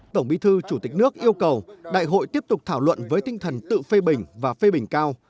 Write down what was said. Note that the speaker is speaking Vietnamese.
tổng bí thư chủ tịch nước yêu cầu đại hội tiếp tục thảo luận với tinh thần tự phê bình và phê bình cao